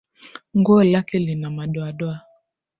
Nguo lake lina madoadoa